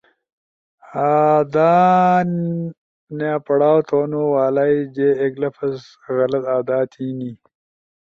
ا آدانیا پڑاؤ تھونو والائی جے ایک لفظ غلط ادا تھینی،